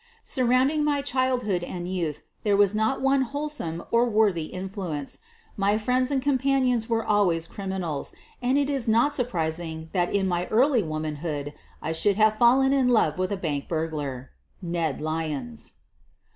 ' Surrounding my childhood and youth there was not one wholesome or worthy influence. My friends and companions were always criminals, and it is not surprising that in my early womanhood I should have fallen in love with a bank burglar — Ned Lyons.